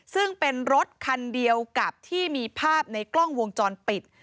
ซึ่งเป็นรถคันเดียวกับที่มีภาพในกล้องวงจรปิด